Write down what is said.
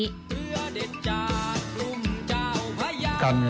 เรือเด็ดจากรุมเจ้าพระยา